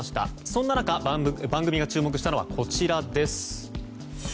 そんな中、番組が注目したのはこちらです。